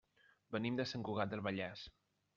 Venim de Sant Cugat del Vallès.